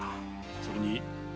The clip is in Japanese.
それに。